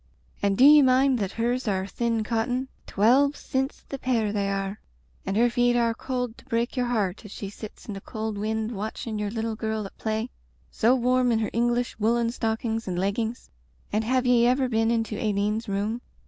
And do ye mind that hers are thin cotton — twelve cints the pair they are — and her feet are Digitized by LjOOQ IC Broken Glass cold to break yer heart as she sits in the cold wind watchin' your litde girl at play, so warm in her English woollen stockings and leggings. And have ye ever been into Aileen's room?